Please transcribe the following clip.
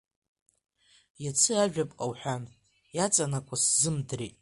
Иацы ажәаԥҟа уҳәан, иаҵанакуаз сзымдрит…